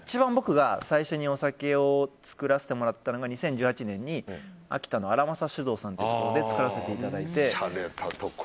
最初に、僕がお酒を造らせてもらった時に２０１８年に秋田の新政酒造さんというところで造らせていただいて。